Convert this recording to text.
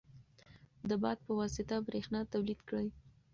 د باد په واسطه برېښنا تولید کړئ.